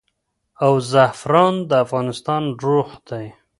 او زعفران د افغانستان روح دی.